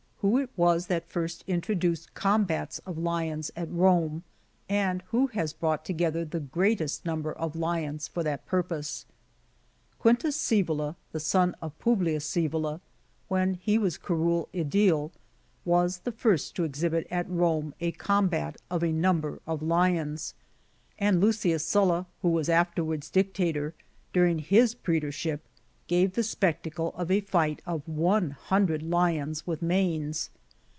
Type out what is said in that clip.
WHO IT WAS THAT FIKST INTEODrCED COMBATS OP LIONS AT E03IE, AND WHO HAS BEOUGHT TOGETHEE THE GEEAT EST NTJilBEE OF LIONS FOE THAT PUEPOSE. , Q. Scsevola, the son of P. Scsevola, when he was curule aedile, was the first to exhibit at Eome a combat of a number of lions ; and L. Sylla, who was afterwards Dictator, during his praetorship, gave the spectacle of a fight of one hundred lions with manes.